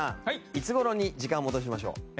いつ頃に時間を戻しましょう？